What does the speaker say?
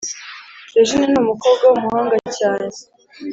Regine numukobwa wumuhanga cyane